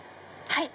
はい。